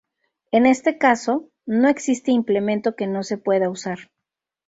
En este caso, no existe implemento que no se pueda usar.